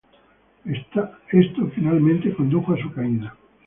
Esto finalmente condujo a su caída.